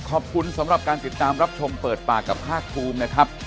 ขอบคุณสำหรับการติดตามรับชมเปิดปากกับภาคภูมินะครับ